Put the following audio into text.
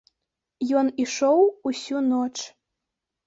Ён ішоў усю ноч.